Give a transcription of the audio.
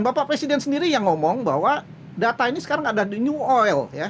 bapak presiden sendiri yang ngomong bahwa data ini sekarang ada di new oil